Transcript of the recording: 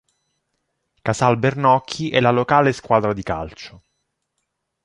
Casal Bernocchi è la locale squadra di calcio.